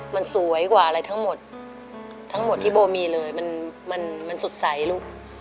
มันสวยกว่าอะไรทั้งหมดทั้งหมดที่โบมีเลยมันสดใสลูก